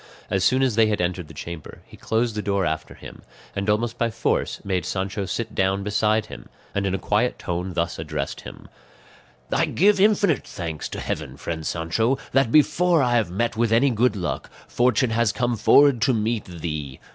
As soon as they had entered the chamber he closed the door after him, and almost by force made Sancho sit down beside him, and in a quiet tone thus addressed him: "I give infinite thanks to heaven, friend Sancho, that, before I have met with any good luck, fortune has come forward to meet thee.